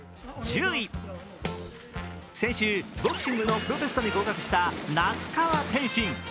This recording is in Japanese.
先週、ボクシングのプロテストに合格した那須川天心。